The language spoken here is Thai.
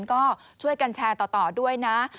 ก็ช่วยกันแชร์ต่อด้วยนะ